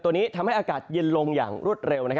ตัวนี้ทำให้อากาศเย็นลงอย่างรวดเร็ว